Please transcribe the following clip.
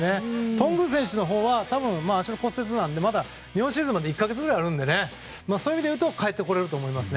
頓宮選手のほうは多分、足の骨折なんでまだ日本シリーズまで１か月ぐらいあるのでそういう意味でいうと帰ってこられると思います。